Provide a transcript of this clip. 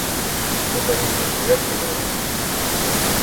Покажи, синку, як ти мене любиш?